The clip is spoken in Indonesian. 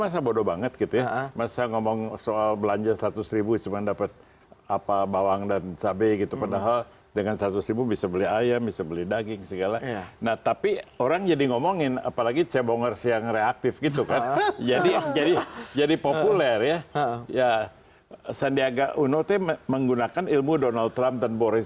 jokowi dan sandi